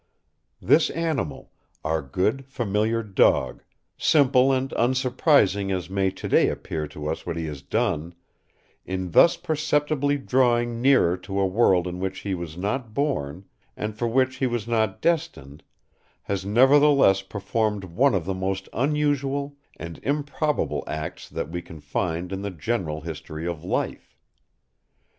This animal, our good familiar dog, simple and unsurprising as may to day appear to us what he has done, in thus perceptibly drawing nearer to a world in which he was not born and for which he was not destined, has nevertheless performed one of the most unusual and improbable acts that we can find in the general history of life.